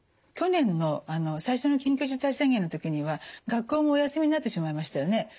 去年の最初の緊急事態宣言の時には学校もお休みになってしまいましたよね。